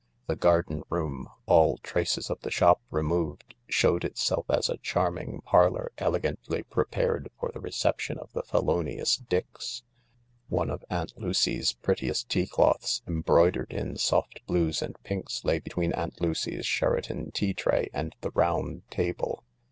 The garden room, all traces of the shop removed, showed itself as a charming parlour elegantly prepared for the reception of ihe felonious Dix. THE LARK 117 One of Aunt Lucy's prettiest tea cloths embroidered in soft blues and pinks lay between Aunt Lucy's Sheraton tea tray and the round table.